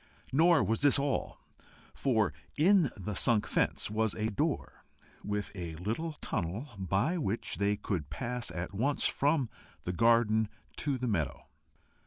Nor was this all, for in the sunk fence was a door with a little tunnel, by which they could pass at once from the garden to the meadow.